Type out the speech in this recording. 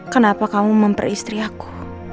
kenapa kamu memperistri aku